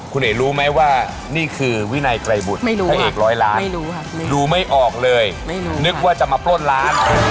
คุณเอกรู้ไหมว่านี่คือวินัยไกรบุตรพระเอกร้อยล้านไม่รู้ไม่ออกเลยนึกว่าจะมาปล้นล้าน